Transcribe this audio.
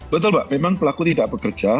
betul mbak memang pelaku tidak bekerja